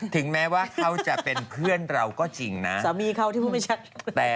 ถึงแม้ว่าเขาจะเป็นเพื่อนเราก็จริงียนะ